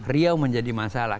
riau menjadi masalah